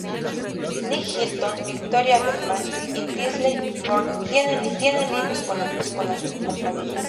Nicky Hilton, Victoria Beckham y Tinsley Mortimer tienen líneas de bolsos con la compañía.